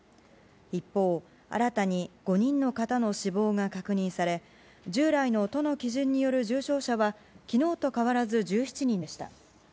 一方、新たに５人の方の死亡が確認され、従来の都の基準による重症者はきのうと変わらず１７人でした。